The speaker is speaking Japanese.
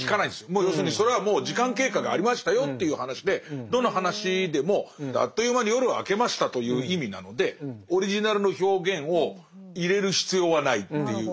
もう要するにそれはもう時間経過がありましたよという話でどの噺でもあっという間に夜は明けましたという意味なのでオリジナルの表現を入れる必要はないっていう。